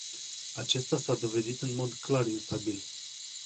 Acesta s-a dovedit în mod clar instabil.